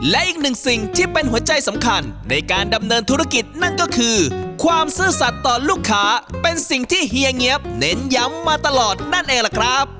ลูกค้าเป็นสิ่งที่เฮียเงียบเน้นย้ำมาตลอดนั่นเองแหละครับ